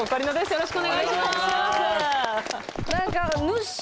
よろしくお願いします。